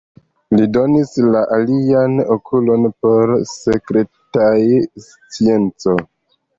Li donis la alian okulon por sekretaj sciencoj.